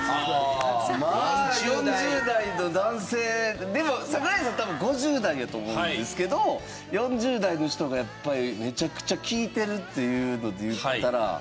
まあ４０代の男性でも桜井さん多分５０代やと思うんですけど４０代の人がやっぱりめちゃくちゃ聴いてるっていうのでいったら。